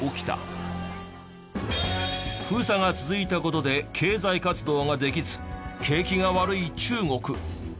封鎖が続いた事で経済活動ができず景気が悪い中国。